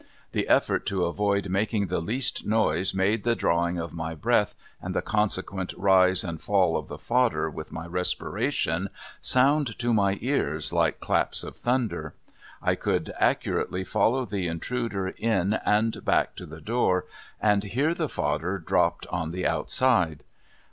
The effort to avoid making the least noise made the drawing of my breath, and the consequent rise and fall of the fodder with my respiration, sound to my ears like claps of thunder. I could accurately follow the intruder in and back to the door and hear the fodder dropped on the outside.